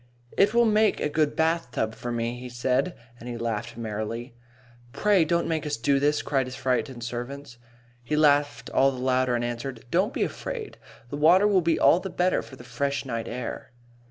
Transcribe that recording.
"It will make a good bathtub for me," he said, and he laughed merrily. "Pray don't make us do this," cried his frightened servants. He laughed all the louder, and answered: "Don't be afraid. The water will be all the better for the fresh night air."